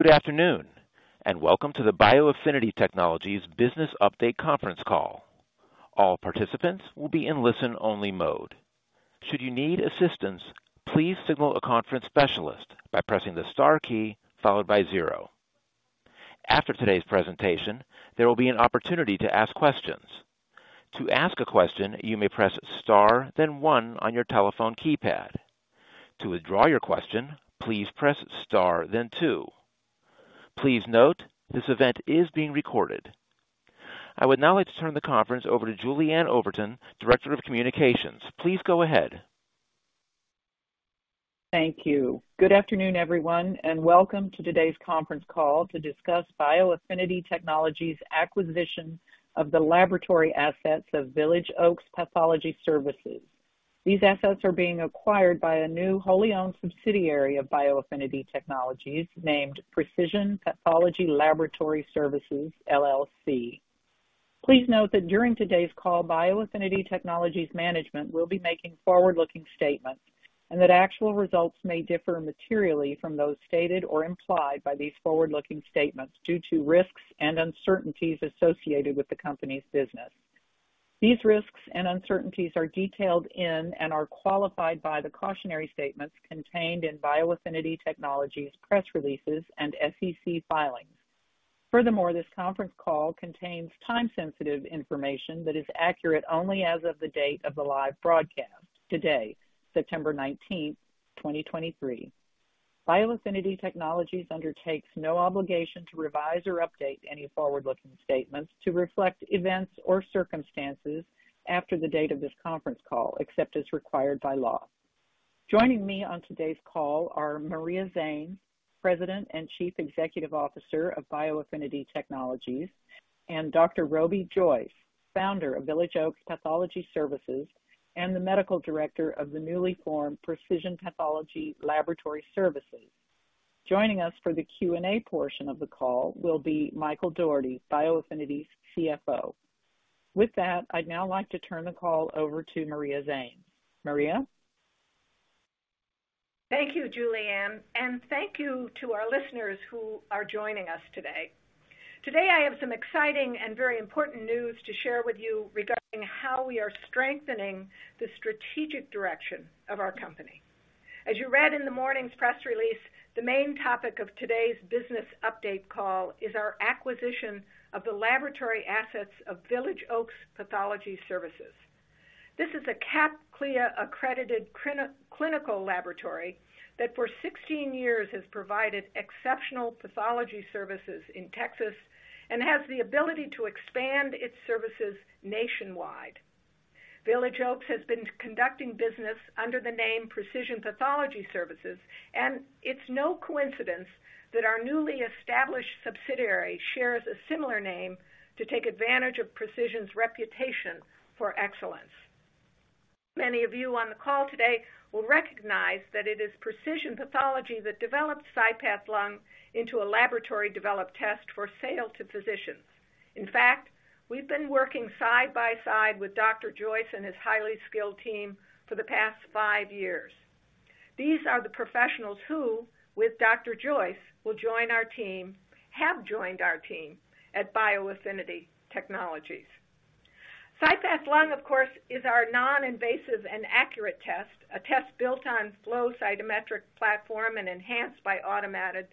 Good afternoon, and welcome to the bioAffinity Technologies Business Update Conference Call. All participants will be in listen-only mode. Should you need assistance, please signal a conference specialist by pressing the star key followed by zero. After today's presentation, there will be an opportunity to ask questions. To ask a question, you may press star, then one on your telephone keypad. To withdraw your question, please press star, then two. Please note, this event is being recorded. I would now like to turn the conference over to Julie Anne Overton, Director of Communications. Please go ahead. Thank you. Good afternoon, everyone, and welcome to today's Conference Call to discuss bioAffinity Technologies' acquisition of the laboratory assets of Village Oaks Pathology Services. These assets are being acquired by a new wholly-owned subsidiary of bioAffinity Technologies, named Precision Pathology Laboratory Services, LLC. Please note that during today's call, bioAffinity Technologies management will be making forward-looking statements and that actual results may differ materially from those stated or implied by these forward-looking statements due to risks and uncertainties associated with the company's business. These risks and uncertainties are detailed in and are qualified by the cautionary statements contained in bioAffinity Technologies' press releases and SEC filings. Furthermore, this conference call contains time-sensitive information that is accurate only as of the date of the live broadcast, today, September 19th, 2023. bioAffinity Technologies undertakes no obligation to revise or update any forward-looking statements to reflect events or circumstances after the date of this conference call, except as required by law. Joining me on today's call are Maria Zannes, President and Chief Executive Officer of bioAffinity Technologies, and Dr. Roby Joyce, Founder of Village Oaks Pathology Services and the Medical Director of the newly formed Precision Pathology Laboratory Services. Joining us for the Q&A portion of the call will be Michael Dougherty, bioAffinity's CFO. With that, I'd now like to turn the call over to Maria Zannes. Maria? Thank you, Julie Anne, and thank you to our listeners who are joining us today. Today, I have some exciting and very important news to share with you regarding how we are strengthening the strategic direction of our company. As you read in the morning's press release, the main topic of today's business update call is our acquisition of the laboratory assets of Village Oaks Pathology Services. This is a CAP/CLIA-accredited clinical laboratory that for 16 years has provided exceptional pathology services in Texas and has the ability to expand its services nationwide. Village Oaks has been conducting business under the name Precision Pathology Services, and it's no coincidence that our newly established subsidiary shares a similar name to take advantage of Precision's reputation for excellence. Many of you on the call today will recognize that it is Precision Pathology that developed CyPath Lung into a laboratory-developed test for sale to physicians. In fact, we've been working side by side with Dr. Joyce and his highly skilled team for the past 5 years. These are the professionals who, with Dr. Joyce, will join our team have joined our team at bioAffinity Technologies. CyPath Lung, of course, is our non-invasive and accurate test, a test built on flow cytometric platform and enhanced by automated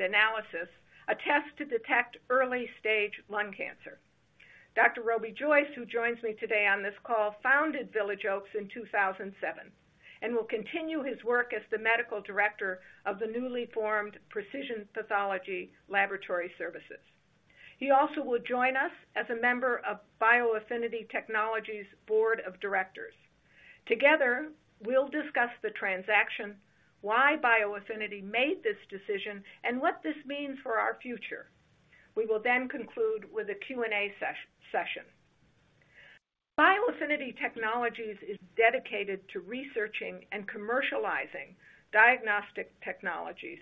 analysis, a test to detect early-stage lung cancer. Dr. Roby Joyce, who joins me today on this call, founded Village Oaks in 2007, and will continue his work as the Medical Director of the newly formed Precision Pathology Laboratory Services. He also will join us as a member of bioAffinity Technologies' Board of Directors. Together, we'll discuss the transaction, why bioAffinity made this decision, and what this means for our future. We will then conclude with a Q&A session. bioAffinity Technologies is dedicated to researching and commercializing diagnostic technologies.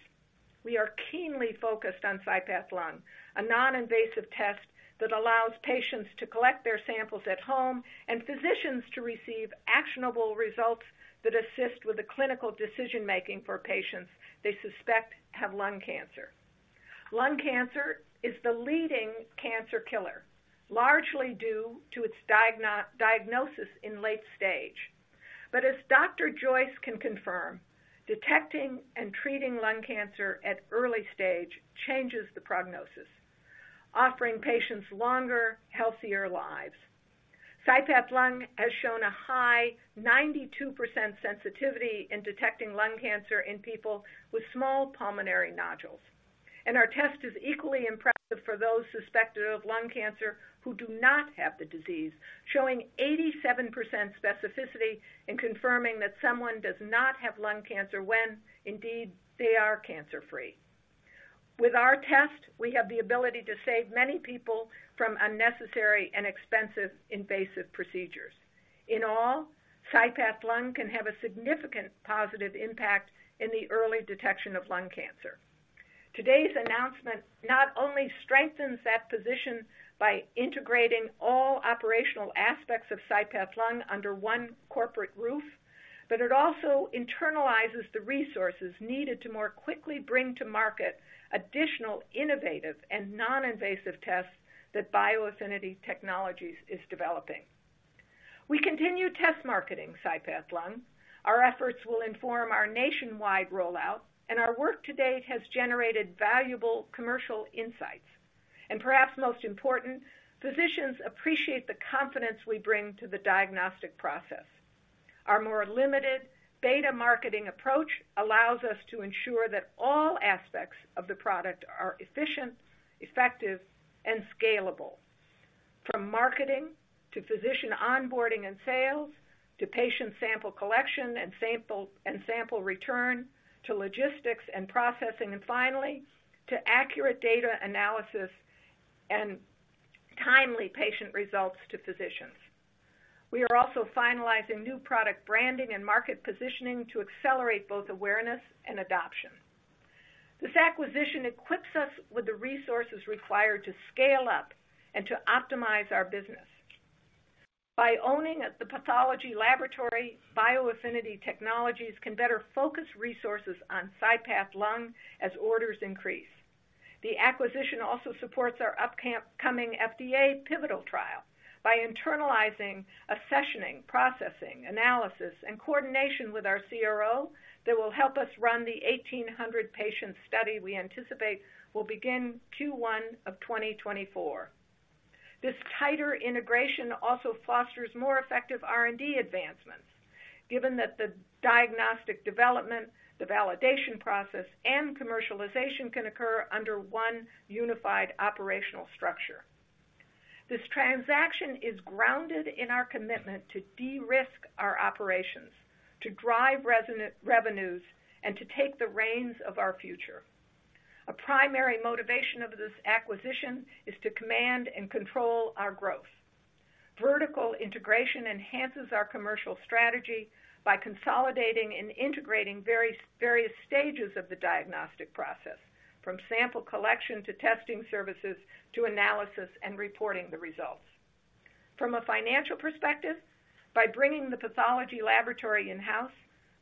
We are keenly focused on CyPath Lung, a non-invasive test that allows patients to collect their samples at home and physicians to receive actionable results that assist with the clinical decision-making for patients they suspect have lung cancer. Lung cancer is the leading cancer killer, largely due to its diagnosis in late stage. But as Dr. Joyce can confirm, detecting and treating lung cancer at early stage changes the prognosis, offering patients longer, healthier lives. CyPath Lung has shown a high 92% sensitivity in detecting lung cancer in people with small pulmonary nodules. Our test is equally impressive for those suspected of lung cancer who do not have the disease, showing 87% specificity in confirming that someone does not have lung cancer when indeed they are cancer-free. With our test, we have the ability to save many people from unnecessary and expensive invasive procedures. In all, CyPath Lung can have a significant positive impact in the early detection of lung cancer. Today's announcement not only strengthens that position by integrating all operational aspects of CyPath Lung under one corporate roof, but it also internalizes the resources needed to more quickly bring to market additional innovative and non-invasive tests that bioAffinity Technologies is developing. We continue test marketing CyPath Lung. Our efforts will inform our nationwide rollout, and our work to date has generated valuable commercial insights. Perhaps most important, physicians appreciate the confidence we bring to the diagnostic process. Our more limited beta marketing approach allows us to ensure that all aspects of the product are efficient, effective, and scalable. From marketing to physician onboarding and sales, to patient sample collection and sample, and sample return, to logistics and processing, and finally, to accurate data analysis and timely patient results to physicians. We are also finalizing new product branding and market positioning to accelerate both awareness and adoption. This acquisition equips us with the resources required to scale up and to optimize our business. By owning the pathology laboratory, bioAffinity Technologies can better focus resources on CyPath Lung as orders increase. The acquisition also supports our upcoming FDA pivotal trial by internalizing, accessioning, processing, analysis, and coordination with our CRO that will help us run the 1,800-patient study we anticipate will begin Q1 of 2024. This tighter integration also fosters more effective R&D advancements, given that the diagnostic development, the validation process, and commercialization can occur under one unified operational structure. This transaction is grounded in our commitment to de-risk our operations, to drive recurring revenues, and to take the reins of our future. A primary motivation of this acquisition is to command and control our growth. Vertical integration enhances our commercial strategy by consolidating and integrating various, various stages of the diagnostic process, from sample collection to testing services, to analysis and reporting the results. From a financial perspective, by bringing the pathology laboratory in-house,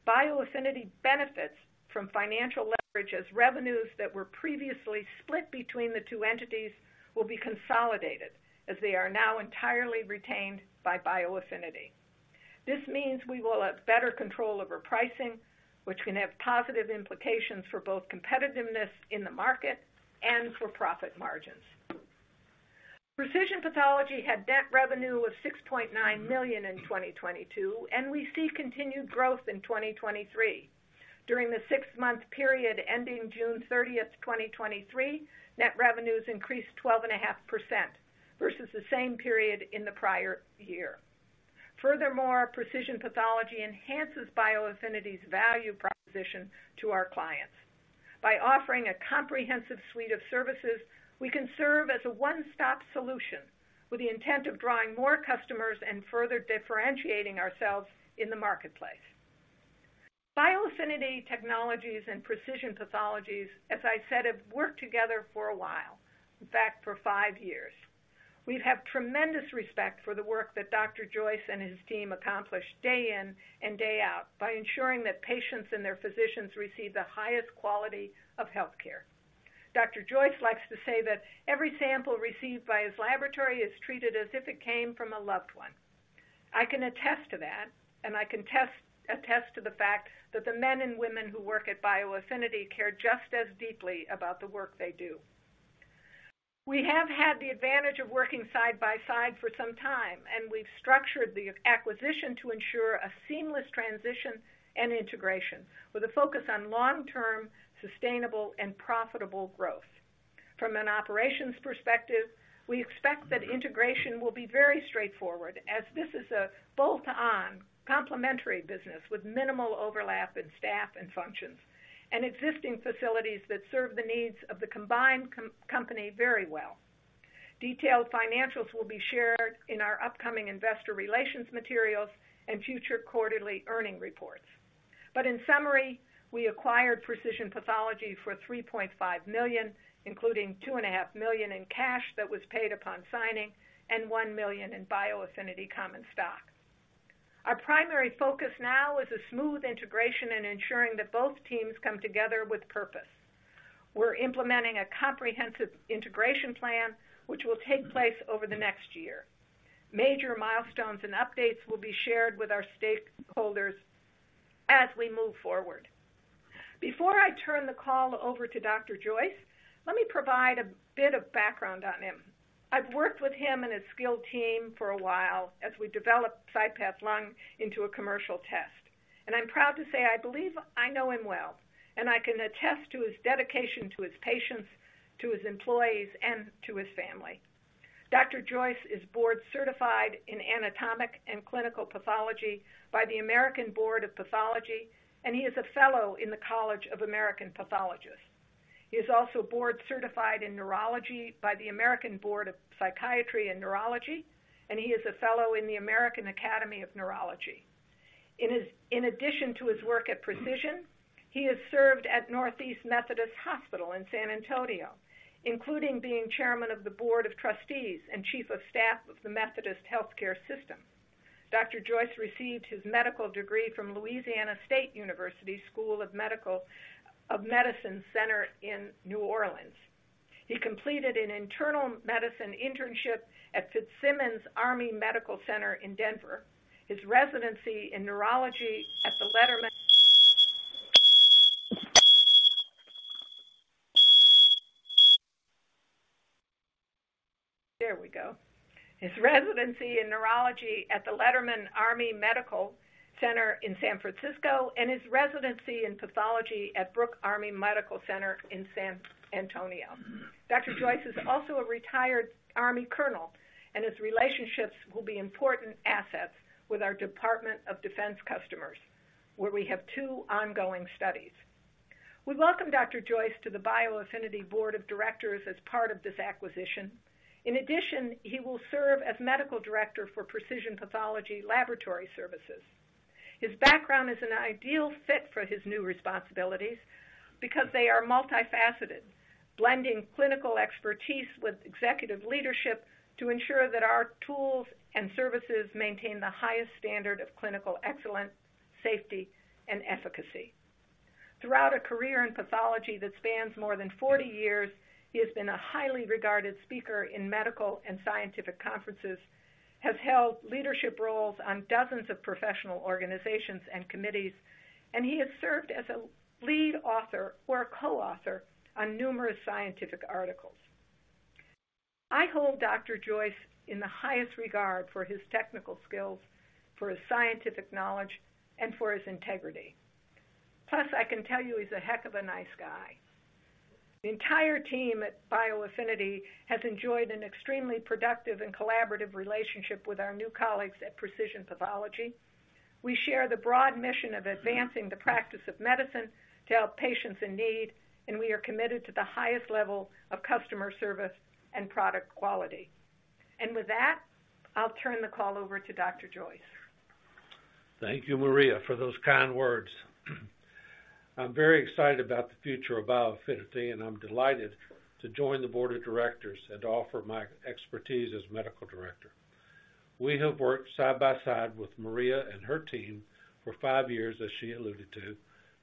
bioAffinity benefits from financial leverage, as revenues that were previously split between the two entities will be consolidated as they are now entirely retained by bioAffinity. This means we will have better control over pricing, which can have positive implications for both competitiveness in the market and for profit margins. Precision Pathology had net revenue of $6.9 million in 2022, and we see continued growth in 2023. During the six-month period ending June 30th, 2023, net revenues increased 12.5% versus the same period in the prior year. Furthermore, Precision Pathology enhances bioAffinity's value proposition to our clients. By offering a comprehensive suite of services, we can serve as a one-stop solution with the intent of drawing more customers and further differentiating ourselves in the marketplace. bioAffinity Technologies and Precision Pathology, as I said, have worked together for a while, in fact, for five years. We've had tremendous respect for the work that Dr. Joyce and his team accomplish day in and day out by ensuring that patients and their physicians receive the highest quality of healthcare. Dr. Joyce likes to say that every sample received by his laboratory is treated as if it came from a loved one. I can attest to that, and I can attest to the fact that the men and women who work at bioAffinity care just as deeply about the work they do. We have had the advantage of working side by side for some time, and we've structured the acquisition to ensure a seamless transition and integration with a focus on long-term, sustainable, and profitable growth. From an operations perspective, we expect that integration will be very straightforward as this is a bolt-on complementary business with minimal overlap in staff and functions, and existing facilities that serve the needs of the combined company very well. Detailed financials will be shared in our upcoming investor relations materials and future quarterly earnings reports. But in summary, we acquired Precision Pathology for $3.5 million, including $2.5 million in cash that was paid upon signing and 1 million in bioAffinity common stock. Our primary focus now is a smooth integration and ensuring that both teams come together with purpose. We're implementing a comprehensive integration plan, which will take place over the next year. Major milestones and updates will be shared with our stakeholders as we move forward. Before I turn the call over to Dr. Joyce, let me provide a bit of background on him. I've worked with him and his skilled team for a while as we developed CyPath Lung into a commercial test, and I'm proud to say I believe I know him well, and I can attest to his dedication to his patients, to his employees, and to his family. Dr. Joyce is board-certified in anatomic and clinical pathology by the American Board of Pathology, and he is a fellow in the College of American Pathologists. He is also board-certified in neurology by the American Board of Psychiatry and Neurology, and he is a fellow in the American Academy of Neurology. In addition to his work at Precision, he has served at Northeast Methodist Hospital in San Antonio, including being chairman of the board of trustees and chief of staff of the Methodist Healthcare System. Dr. Joyce received his medical degree from Louisiana State University School of Medicine in New Orleans. He completed an internal medicine internship at Fitzsimons Army Medical Center in Denver, his residency in neurology at the Letterman Army Medical Center in San Francisco, and his residency in pathology at Brooke Army Medical Center in San Antonio. Dr. Joyce is also a retired Army colonel, and his relationships will be important assets with our Department of Defense customers, where we have two ongoing studies. We welcome Dr. Joyce to the bioAffinity board of directors as part of this acquisition. In addition, he will serve as Medical Director for Precision Pathology Laboratory Services. His background is an ideal fit for his new responsibilities because they are multifaceted, blending clinical expertise with executive leadership to ensure that our tools and services maintain the highest standard of clinical excellence, safety, and efficacy. Throughout a career in pathology that spans more than 40 years, he has been a highly regarded speaker in medical and scientific conferences, has held leadership roles on dozens of professional organizations and committees, and he has served as a lead author or co-author on numerous scientific articles. I hold Dr. Joyce in the highest regard for his technical skills, for his scientific knowledge, and for his integrity. Plus, I can tell you he's a heck of a nice guy. The entire team at bioAffinity has enjoyed an extremely productive and collaborative relationship with our new colleagues at Precision Pathology. We share the broad mission of advancing the practice of medicine to help patients in need, and we are committed to the highest level of customer service and product quality. With that, I'll turn the call over to Dr. Joyce. Thank you, Maria, for those kind words. I'm very excited about the future of bioAffinity, and I'm delighted to join the board of directors and offer my expertise as Medical Director. We have worked side by side with Maria and her team for five years, as she alluded to,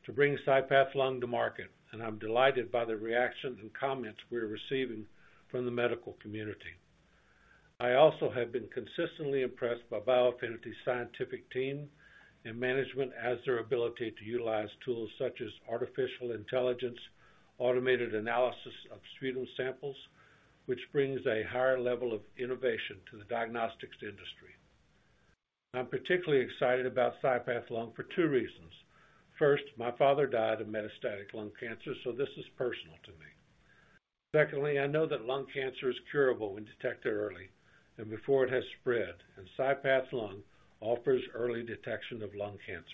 to bring CyPath Lung to market, and I'm delighted by the reactions and comments we're receiving from the medical community. I also have been consistently impressed by bioAffinity's scientific team and management as their ability to utilize tools such as artificial intelligence, automated analysis of sputum samples, which brings a higher level of innovation to the diagnostics industry. I'm particularly excited about CyPath Lung for two reasons. First, my father died of metastatic lung cancer, so this is personal to me. Secondly, I know that lung cancer is curable when detected early and before it has spread, and CyPath Lung offers early detection of lung cancer.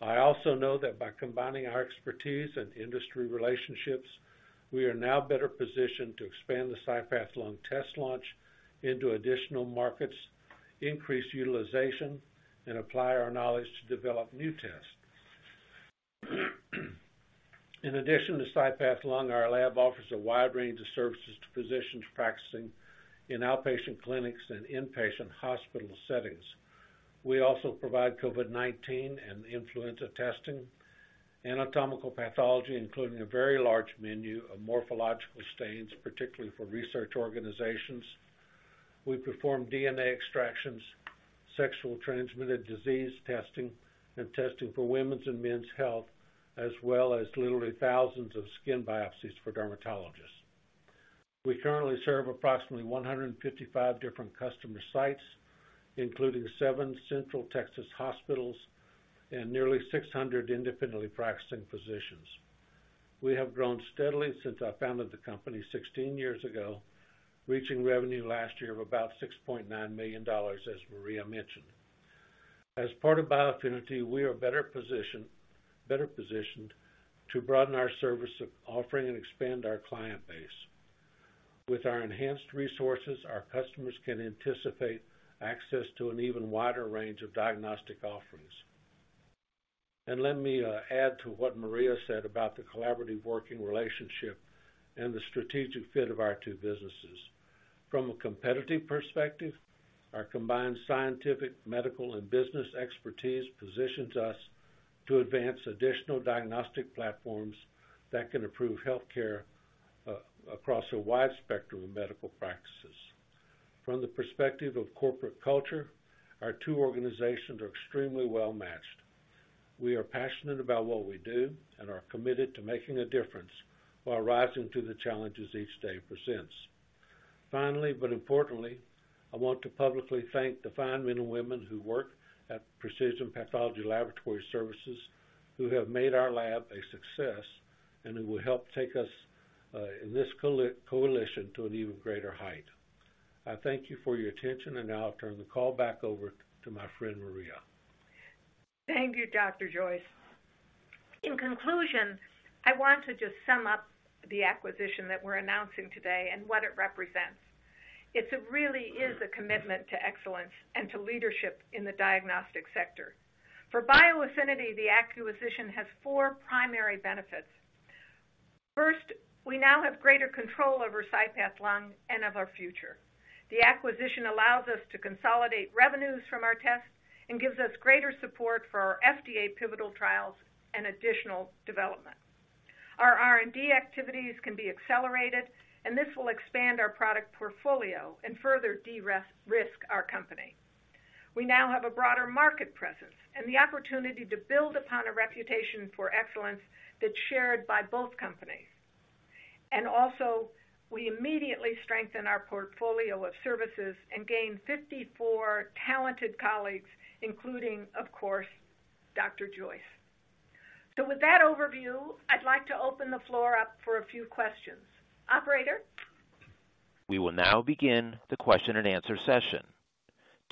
I also know that by combining our expertise and industry relationships, we are now better positioned to expand the CyPath Lung test launch into additional markets, increase utilization, and apply our knowledge to develop new tests. In addition to CyPath Lung, our lab offers a wide range of services to physicians practicing in outpatient clinics and inpatient hospital settings. We also provide COVID-19 and influenza testing, anatomical pathology, including a very large menu of morphological stains, particularly for research organizations. We perform DNA extractions, sexually transmitted disease testing, and testing for women's and men's health, as well as literally thousands of skin biopsies for dermatologists. We currently serve approximately 155 different customer sites, including seven central Texas hospitals and nearly 600 independently practicing physicians. We have grown steadily since I founded the company 16 years ago, reaching revenue last year of about $6.9 million, as Maria mentioned. As part of bioAffinity, we are better positioned to broaden our service offering and expand our client base. With our enhanced resources, our customers can anticipate access to an even wider range of diagnostic offerings. Let me add to what Maria said about the collaborative working relationship and the strategic fit of our two businesses. From a competitive perspective, our combined scientific, medical, and business expertise positions us to advance additional diagnostic platforms that can improve healthcare across a wide spectrum of medical practices. From the perspective of corporate culture, our two organizations are extremely well-matched. We are passionate about what we do and are committed to making a difference while rising to the challenges each day presents. Finally, but importantly, I want to publicly thank the fine men and women who work at Precision Pathology Laboratory Services, who have made our lab a success and who will help take us in this coalition to an even greater height. I thank you for your attention, and now I'll turn the call back over to my friend, Maria. Thank you, Dr. Joyce. In conclusion, I want to just sum up the acquisition that we're announcing today and what it represents. It really is a commitment to excellence and to leadership in the diagnostic sector. For bioAffinity, the acquisition has four primary benefits. First, we now have greater control over CyPath Lung and of our future. The acquisition allows us to consolidate revenues from our tests and gives us greater support for our FDA pivotal trials and additional development. Our R&D activities can be accelerated, and this will expand our product portfolio and further de-risk our company. We now have a broader market presence and the opportunity to build upon a reputation for excellence that's shared by both companies. Also, we immediately strengthen our portfolio of services and gain 54 talented colleagues, including, of course, Dr. Joyce. With that overview, I'd like to open the floor up for a few questions. Operator? We will now begin the question and answer session.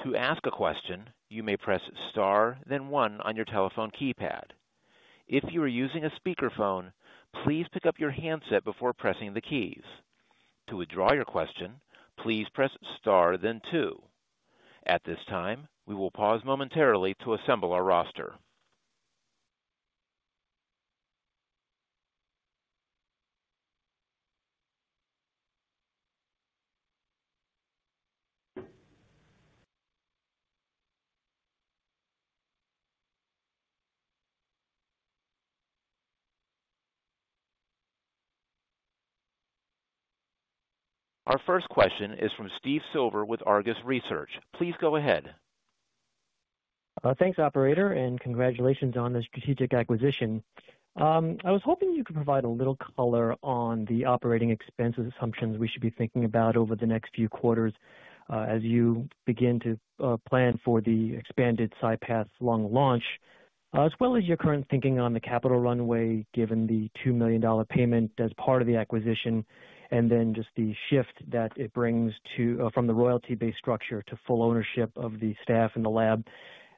To ask a question, you may press star, then one on your telephone keypad. If you are using a speakerphone, please pick up your handset before pressing the keys. To withdraw your question, please press star, then two. At this time, we will pause momentarily to assemble our roster. Our first question is from Steve Silver with Argus Research. Please go ahead. Thanks, operator, and congratulations on the strategic acquisition. I was hoping you could provide a little color on the operating expenses assumptions we should be thinking about over the next few quarters, as you begin to plan for the expanded CyPath Lung launch. As well as your current thinking on the capital runway, given the $2 million payment as part of the acquisition, and then just the shift that it brings to from the royalty-based structure to full ownership of the staff in the lab,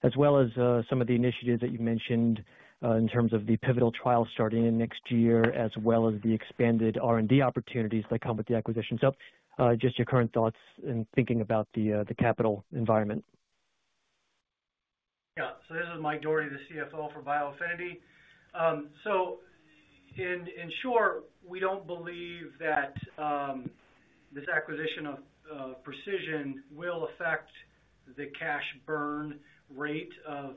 as well as some of the initiatives that you mentioned in terms of the pivotal trial starting in next year, as well as the expanded R&D opportunities that come with the acquisition. So, just your current thoughts in thinking about the capital environment. Yeah. So this is Mike Dougherty, the CFO for bioAffinity. In short, we don't believe that this acquisition of Precision will affect the cash burn rate of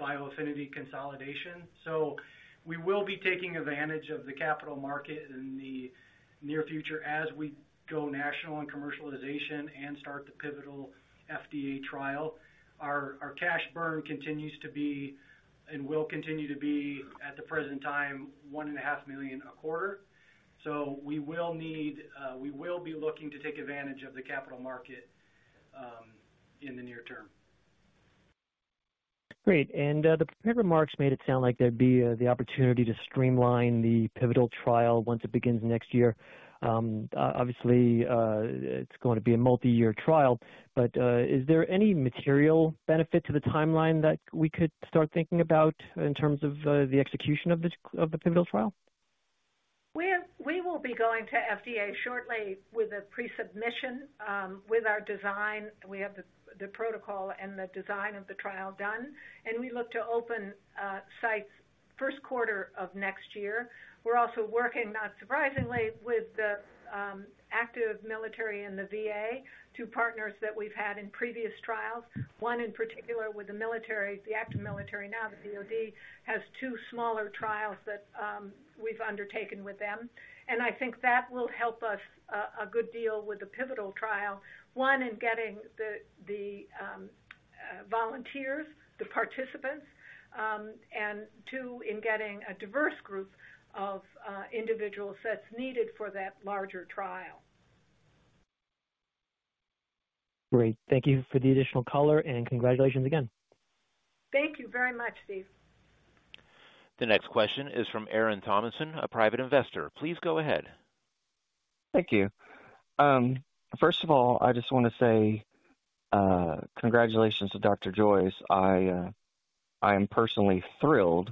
bioAffinity consolidation. So we will be taking advantage of the capital market in the near future as we go national on commercialization and start the pivotal FDA trial. Our cash burn continues to be, and will continue to be, at the present time, $1.5 million a quarter. So we will need, we will be looking to take advantage of the capital market in the near term. Great. And, the prepared remarks made it sound like there'd be the opportunity to streamline the pivotal trial once it begins next year. Obviously, it's going to be a multi-year trial, but, is there any material benefit to the timeline that we could start thinking about in terms of the execution of this, of the pivotal trial? We will be going to FDA shortly with a pre-submission with our design. We have the protocol and the design of the trial done, and we look to open sites first quarter of next year. We're also working, not surprisingly, with the active military and the VA, two partners that we've had in previous trials. One, in particular, with the military, the active military, now the DoD, has two smaller trials that we've undertaken with them, and I think that will help us a good deal with the pivotal trial. One, in getting the volunteers, the participants, and two, in getting a diverse group of individuals that's needed for that larger trial. Great. Thank you for the additional color, and congratulations again. Thank you very much, Steve. The next question is from Aaron Thomason, a private investor. Please go ahead. Thank you. First of all, I just want to say congratulations to Dr. Joyce. I am personally thrilled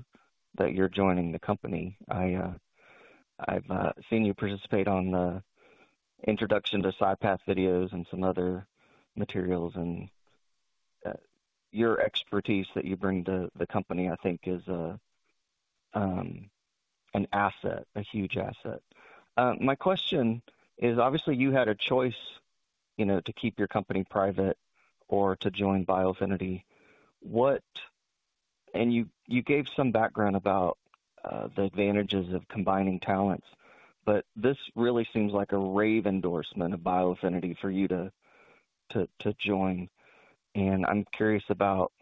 that you're joining the company. I've seen you participate on the introduction to CyPath videos and some other materials, and your expertise that you bring to the company, I think, is an asset, a huge asset. My question is, obviously you had a choice, you know, to keep your company private or to join bioAffinity. And you gave some background about the advantages of combining talents, but this really seems like a rave endorsement of bioAffinity for you to join. And I'm curious about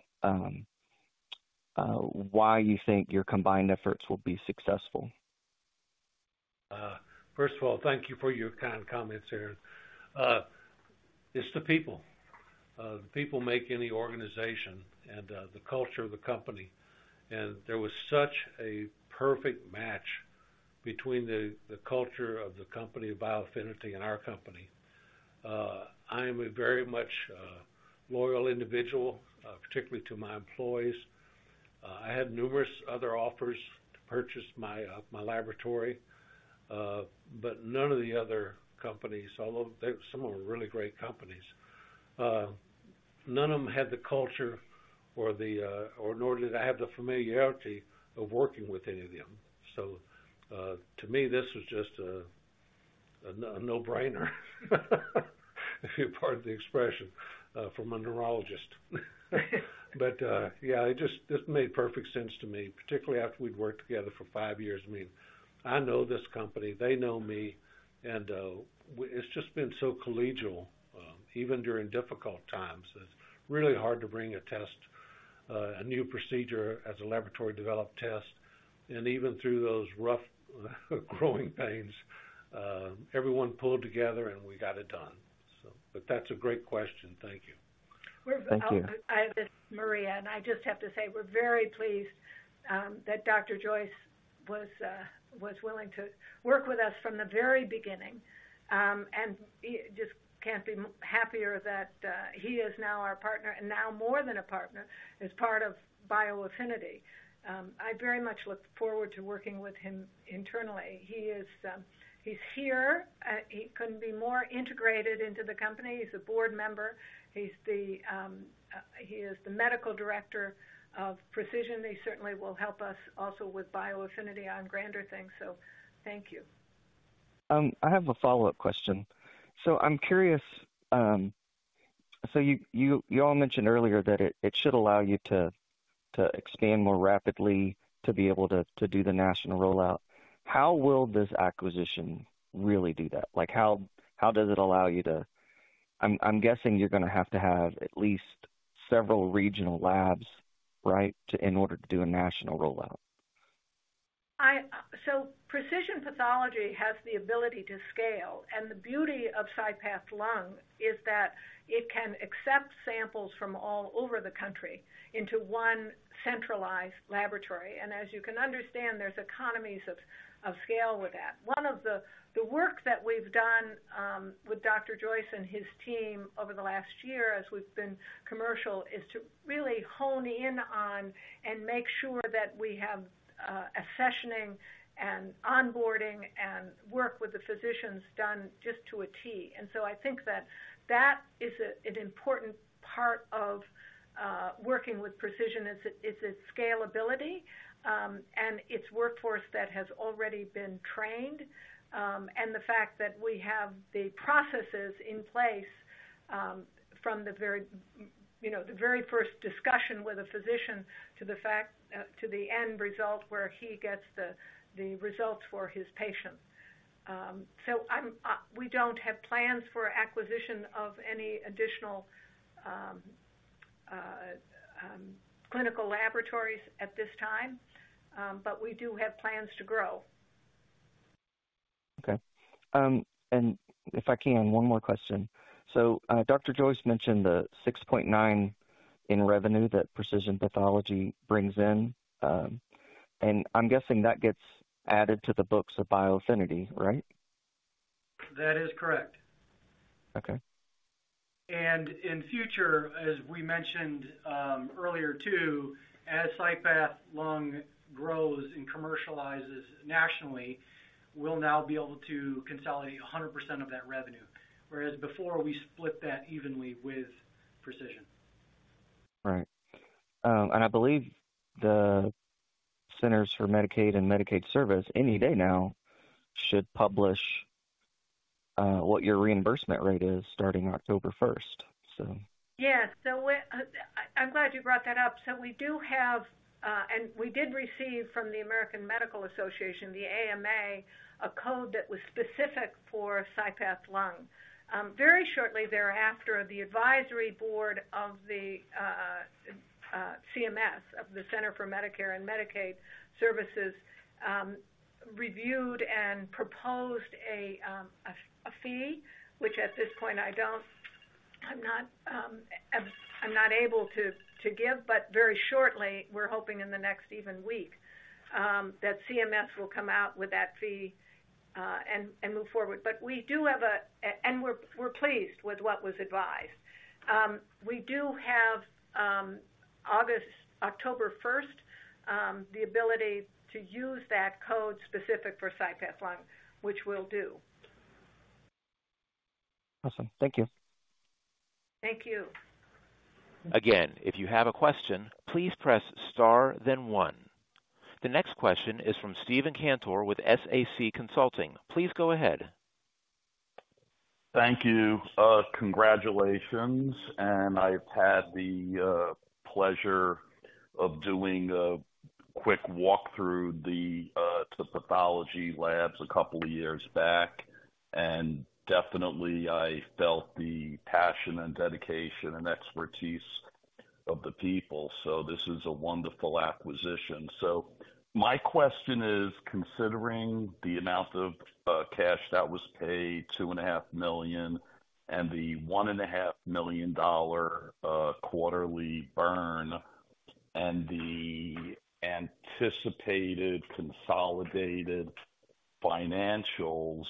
why you think your combined efforts will be successful. First of all, thank you for your kind comments, Aaron. It's the people. The people make any organization and the culture of the company. There was such a perfect match between the culture of the company, bioAffinity, and our company. I am a very much loyal individual, particularly to my employees. I had numerous other offers to purchase my laboratory, but none of the other companies, although some of them were really great companies, none of them had the culture or nor did I have the familiarity of working with any of them. To me, this was just a no-brainer, if you pardon the expression, from a neurologist. Yeah, this made perfect sense to me, particularly after we'd worked together for five years. I mean, I know this company, they know me, and it's just been so collegial, even during difficult times. It's really hard to bring a test, a new procedure as a laboratory-developed test, and even through those rough, growing pains, everyone pulled together, and we got it done, so. But that's a great question. Thank you. Thank you. This is Maria, and I just have to say, we're very pleased that Dr. Joyce was willing to work with us from the very beginning. And we just can't be happier that he is now our partner, and now more than a partner, as part of bioAffinity. I very much look forward to working with him internally. He is, he's here. He couldn't be more integrated into the company. He's a board member. He's the medical director of Precision. He certainly will help us also with bioAffinity on grander things. So thank you. I have a follow-up question. So I'm curious, so you all mentioned earlier that it should allow you to expand more rapidly, to be able to do the national rollout. How will this acquisition really do that? Like, how does it allow you to, I'm guessing you're gonna have to have at least several regional labs, right, to in order to do a national rollout? So Precision Pathology has the ability to scale, and the beauty of CyPath Lung is that it can accept samples from all over the country into one centralized laboratory. And as you can understand, there's economies of scale with that. One of the work that we've done with Dr. Joyce and his team over the last year, as we've been commercial, is to really hone in on and make sure that we have a sessioning and onboarding and work with the physicians done just to a T. I think that that is an important part of working with Precision, is its scalability, and its workforce that has already been trained, and the fact that we have the processes in place, from the very, you know, the very first discussion with a physician to the fact, to the end result, where he gets the results for his patient. I'm, we don't have plans for acquisition of any additional clinical laboratories at this time. We do have plans to grow. Okay. If I can, one more question. Dr. Joyce mentioned the $6.9 in revenue that Precision Pathology brings in. I'm guessing that gets added to the books of bioAffinity, right? That is correct. Okay. In future, as we mentioned earlier, too, as CyPath Lung grows and commercializes nationally, we'll now be able to consolidate 100% of that revenue, whereas before, we split that evenly with Precision. Right. And I believe the Centers for Medicare and Medicaid Services, any day now, should publish what your reimbursement rate is starting October first, so. Yes. So I'm glad you brought that up. So we do have, and we did receive from the American Medical Association, the AMA, a code that was specific for CyPath Lung. Very shortly thereafter, the advisory board of the CMS, of the Centers for Medicare and Medicaid Services, reviewed and proposed a fee, which at this point, I don't. I'm not able to give, but very shortly, we're hoping in the next even week that CMS will come out with that fee, and move forward. But we do have and we're pleased with what was advised. We do have, as of October first, the ability to use that code specific for CyPath Lung, which we'll do. Awesome. Thank you. Thank you. Again, if you have a question, please press star, then one. The next question is from Steven Cantor with SAC Consulting. Please go ahead. Thank you. Congratulations, and I've had the pleasure of doing a quick walk through the pathology labs a couple of years back, and definitely I felt the passion and dedication and expertise of the people. So this is a wonderful acquisition. So my question is: considering the amount of cash that was paid, $2.5 million, and the $1.5 million quarterly burn, and the anticipated consolidated financials,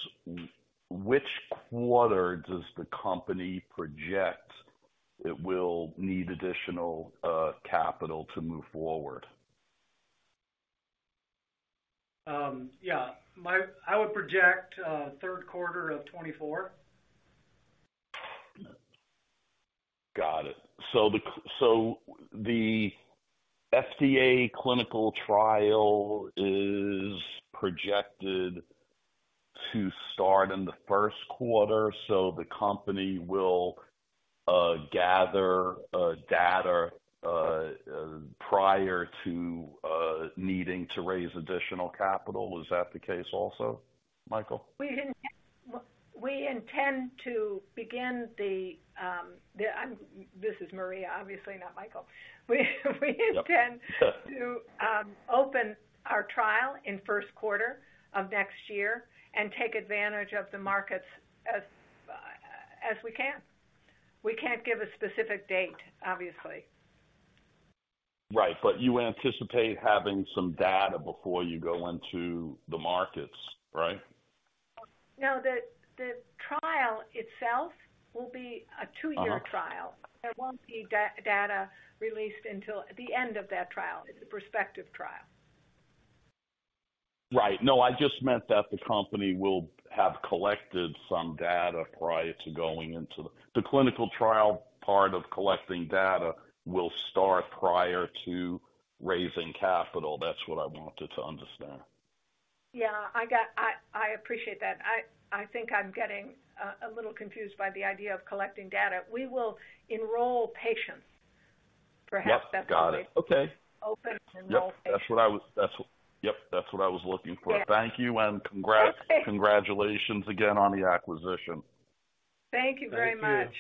which quarter does the company project it will need additional capital to move forward? Yeah, I would project third quarter of 2024. Got it. So the FDA clinical trial is projected to start in the first quarter, so the company will gather data prior to needing to raise additional capital. Is that the case also, Michael? We intend, we intend to begin the, this is Maria, obviously not Michael. We, we intend- Yep. to open our trial in first quarter of next year and take advantage of the markets as we can. We can't give a specific date, obviously. Right. But you anticipate having some data before you go into the markets, right? No, the trial itself will be a 2-year- There won't be data released until the end of that trial, it's a prospective trial. Right. No, I just meant that the company will have collected some data prior to going into the. The clinical trial part of collecting data will start prior to raising capital. That's what I wanted to understand. Yeah, I appreciate that. I think I'm getting a little confused by the idea of collecting data. We will enroll patients, perhaps that's the way- Yep, got it. Okay. Open enroll patients. Yep, that's what I was looking for. Yeah. Thank you, and congrats- Okay. Congratulations again on the acquisition. Thank you very much.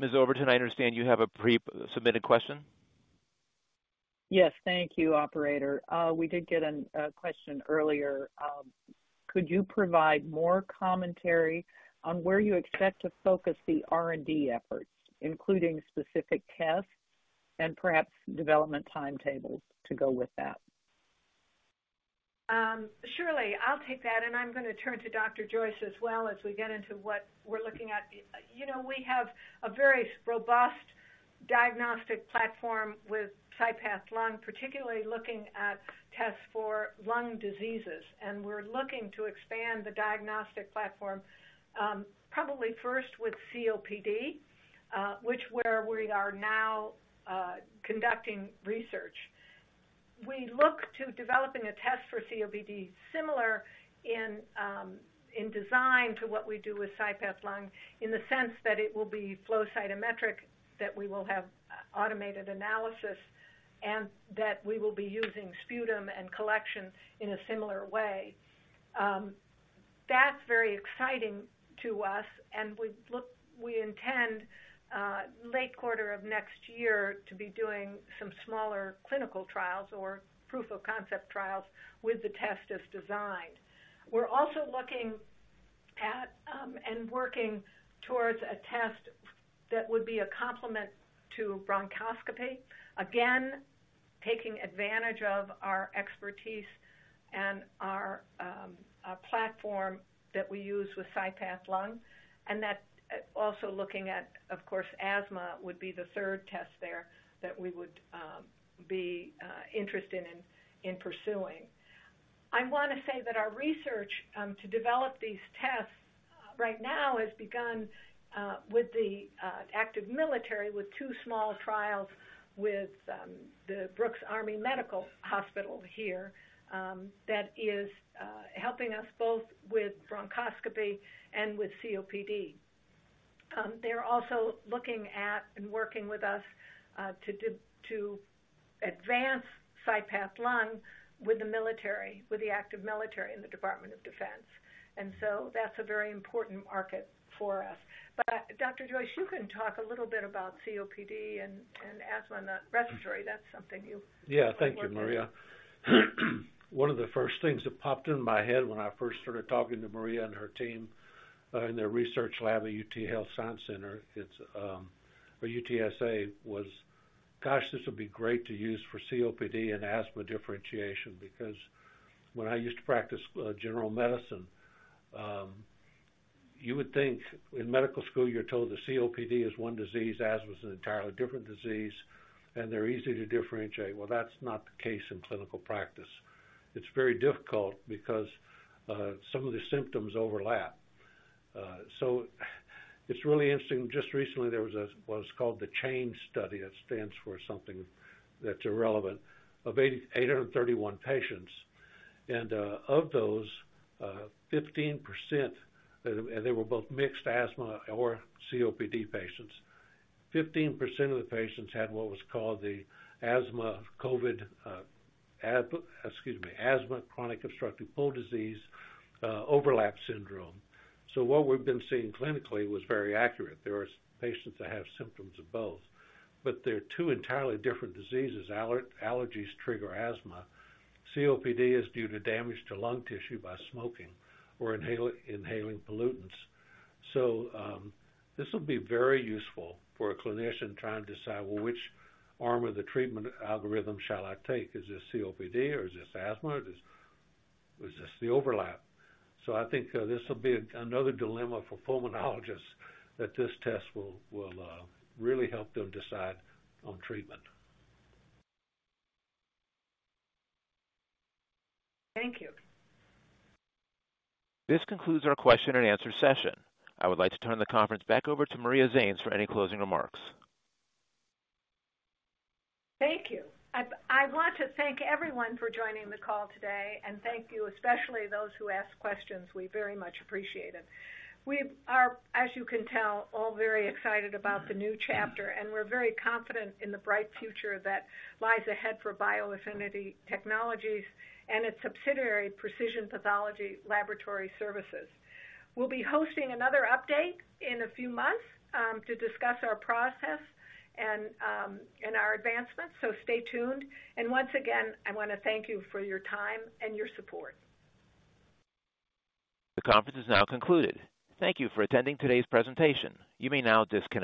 Thank you. Ms. Overton, I understand you have a pre-submitted question. Yes. Thank you, operator. We did get a question earlier. Could you provide more commentary on where you expect to focus the R&D efforts, including specific tests and perhaps development timetables to go with that? Surely. I'll take that, and I'm going to turn to Dr. Joyce as well, as we get into what we're looking at. You know, we have a very robust diagnostic platform with CyPath Lung, particularly looking at tests for lung diseases, and we're looking to expand the diagnostic platform, probably first with COPD, which we are now conducting research. We look to developing a test for COPD, similar in design to what we do with CyPath Lung, in the sense that it will be flow cytometric, that we will have automated analysis, and that we will be using sputum and collection in a similar way. That's very exciting to us, and we look, we intend, late quarter of next year to be doing some smaller clinical trials or proof of concept trials with the test as designed. We're also looking at, and working towards a test that would be a complement to bronchoscopy. Again, taking advantage of our expertise and our platform that we use with CyPath Lung, and that's also looking at, of course, asthma would be the third test there that we would be interested in pursuing. I want to say that our research to develop these tests right now has begun with the active military, with two small trials with the Brooke Army Medical Center here that is helping us both with bronchoscopy and with COPD. They're also looking at and working with us to advance CyPath Lung with the military, with the active military and the Department of Defense. And so that's a very important market for us. But Dr. Joyce, you can talk a little bit about COPD and asthma and respiratory. That's something you Thank you, Maria. One of the first things that popped in my head when I first started talking to Maria and her team in their research lab at UT Health Science Center, it's, or UTSA, was, gosh, this would be great to use for COPD and asthma differentiation, because when I used to practice general medicine, you would think in medical school, you're told that COPD is one disease, asthma is an entirely different disease, and they're easy to differentiate. Well, that's not the case in clinical practice. It's very difficult because some of the symptoms overlap. It's really interesting. Just recently, there was what was called the CHAIN Study. It stands for something that's irrelevant, of 8,831 patients, and of those, 15%, and they were both mixed asthma or COPD patients. 15% of the patients had what was called the asthma-COPD, excuse me, asthma chronic obstructive pulmonary disease, overlap syndrome. So what we've been seeing clinically was very accurate. There are patients that have symptoms of both, but they're two entirely different diseases. Allergies trigger asthma. COPD is due to damage to lung tissue by smoking or inhaling pollutants. So, this will be very useful for a clinician trying to decide, well, which arm of the treatment algorithm shall I take? Is this COPD or is this asthma, or is this, is this the overlap? So I think, this will be another dilemma for pulmonologists, that this test will, will, really help them decide on treatment. Thank you. This concludes our question and answer session. I would like to turn the conference back over to Maria Zannes for any closing remarks. Thank you. I want to thank everyone for joining the call today, and thank you, especially those who asked questions. We very much appreciate it. We are, as you can tell, all very excited about the new chapter, and we're very confident in the bright future that lies ahead for bioAffinity Technologies and its subsidiary, Precision Pathology Laboratory Services. We'll be hosting another update in a few months, to discuss our process and our advancements, so stay tuned. And once again, I want to thank you for your time and your support. The conference is now concluded. Thank you for attending today's presentation. You may now disconnect.